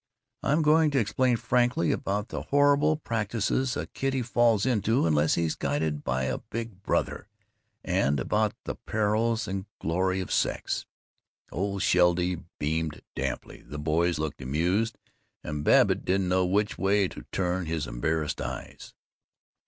I'm going to explain frankly about the horrible practises a kiddy falls into unless he's guided by a Big Brother, and about the perils and glory of Sex." Old Sheldy beamed damply; the boys looked ashamed; and Babbitt didn't know which way to turn his embarrassed eyes.